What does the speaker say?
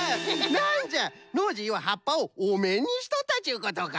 なんじゃノージーははっぱをおめんにしとったちゅうことか。